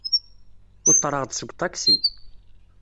Uṭreɣ-d seg uṭaksi.